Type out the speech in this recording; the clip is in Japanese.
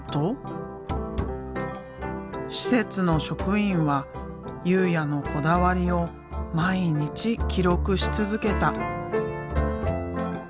施設の職員は佑哉のこだわりを毎日記録し続けた。